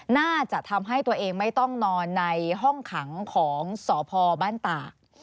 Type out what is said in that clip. น่าจะทำให้ตัวเองไม่ต้องนอนในห้องขังของสพบ้านตาก